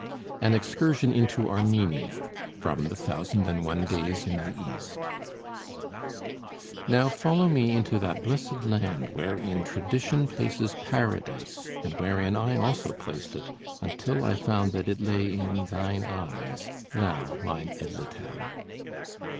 AN EXCURSION INTO ARMENIA From the 'Thousand and One Days in the East' Now follow me into that blessed land wherein tradition places Paradise, and wherein I also placed it, until I found that it lay in thine eyes, thou, mine Edlitam!